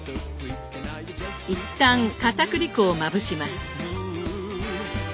一旦かたくり粉をまぶします。